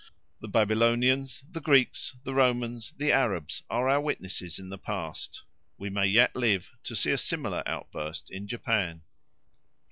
The Babylonians, the Greeks, the Romans, the Arabs are our witnesses in the past: we may yet live to see a similar outburst in Japan.